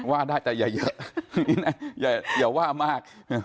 ว่าได้แต่อย่าเยอะอย่าว่ามาก